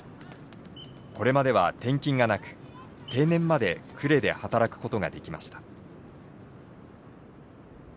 これまでは転勤がなく定年まで呉で働くことができました。